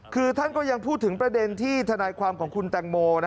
คือท่านก็ยังพูดถึงประเด็นที่ทนายความของคุณแตงโม